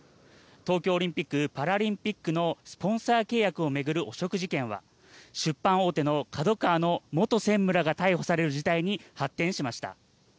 東京オリンピック・パラリンピックのスポンサー契約を巡る汚職事件は出版大手のＫＡＤＯＫＡＷＡの元専務らが逮捕される事態に発展しました。